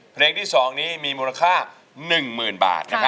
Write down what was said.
เพลงที่๒มีมูลค่า๑มื้นบาท